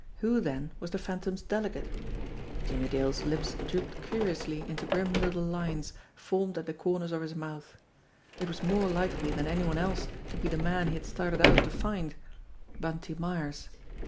Who, then, was the Phantom's delegate? Jimmie Dale's lips drooped curiously until grim little lines formed at the corners of his mouth. It was more likely than any one else to be the man he had started out to find Bunty Myers.